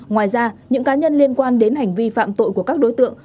ngoài ra những cá nhân liên quan đến hành vi phạm tội của các đối tượng